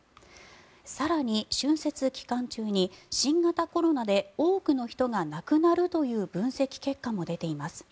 更に春節期間中に新型コロナで多くの人が亡くなるという分析結果も出ています。